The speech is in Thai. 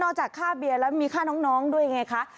จากค่าเบียร์แล้วมีค่าน้องด้วยไงคะ